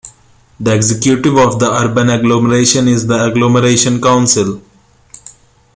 The executive of the urban agglomeration is the agglomeration council.